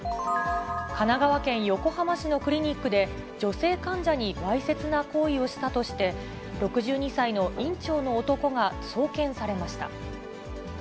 神奈川県横浜市のクリニックで、女性患者にわいせつな行為をしたとして、６２歳の院長の男が送検されました。